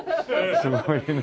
すごいね。